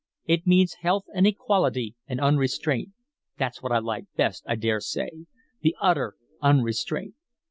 It means health and equality and unrestraint. That's what I like best, I dare say the utter unrestraint.